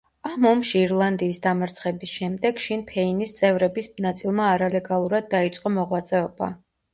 ამ ომში ირლანდიის დამარცხების შემდეგ შინ ფეინის წევრების ნაწილმა არალეგალურად დაიწყო მოღვაწეობა.